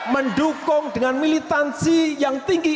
mendukung dengan militansi yang tinggi